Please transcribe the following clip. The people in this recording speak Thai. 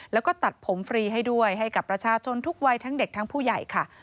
แล้วก็ตัดผมฟรีให้ด้วยให้กับประชาชนทุกวัยทั้งเด็กทั้งผู้ใหญ่ค่ะ